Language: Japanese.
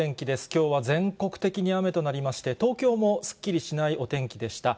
きょうは全国的に雨となりまして、東京もすっきりしないお天気でした。